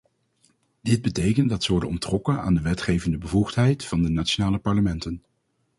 Dit betekent dat ze worden onttrokken aan de wetgevende bevoegdheid van de nationale parlementen.